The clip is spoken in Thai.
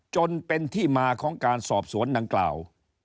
จนเป็นที่มาของการสอบสวนดังกล่าว